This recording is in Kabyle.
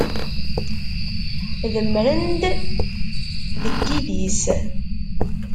Demmren-d deg yidis.